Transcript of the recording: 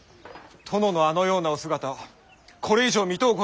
殿のあのようなお姿これ以上見とうございませぬ。